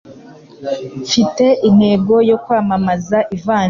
mfite intego yo kwamamaza ivanjili